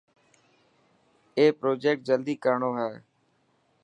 اي پرجيڪٽ جلدي ڪرڻو هي.